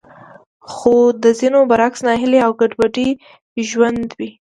خو د ځينو برعکس ناهيلي او ګډوډ ژوند ښودونکې وې.